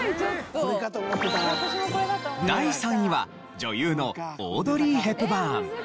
第３位は女優のオードリー・ヘプバーン。